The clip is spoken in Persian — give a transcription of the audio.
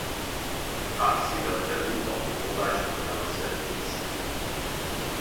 تحصیلات او با حقوقش متناسب نیست.